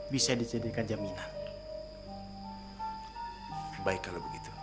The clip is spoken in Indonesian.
bisa dijadikan jaminan